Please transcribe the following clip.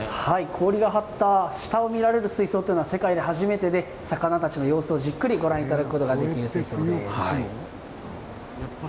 氷の張った下を見られる水槽は世界でも初めてで魚たちの様子をじっくりご覧いただくことができます。